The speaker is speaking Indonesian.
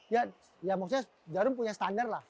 ya ya maksudnya jarum punya standar lah